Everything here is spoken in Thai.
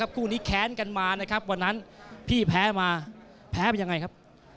คู่นี้แค้นกันมานะครับวันนั้นพี่แพ้มาแพ้เป็นยังไงครับ